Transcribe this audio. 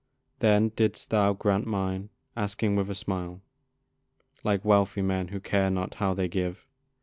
Then didst thou grant mine asking with a smile, Like wealthy men who care not how they give.